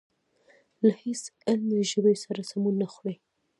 له هېڅ علمي ژبې سره سمون نه خوري.